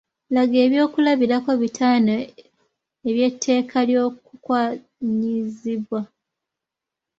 Laga eby'okulabirako bitaano eby’etteeka ly’okukwanyizibwa.